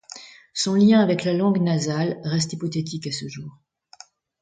Son lien avec la langue Nasal reste hypothétique à ce jour.